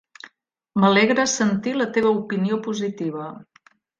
M'alegra sentir la teva opinió positiva.